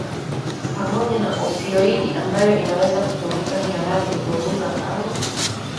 pamoja na opioidi ambayo inaweza kutumika kihalali hupunguza au